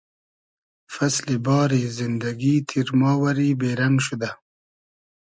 فئسلی باری زیندئگی تیرما وئری بې رئنگ شودۂ